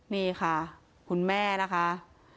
นี่ค่ะคุณแม่นะคะ